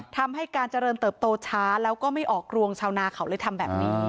ทำให้การเจริญเติบโตช้าแล้วก็ไม่ออกรวงชาวนาเขาเลยทำแบบนี้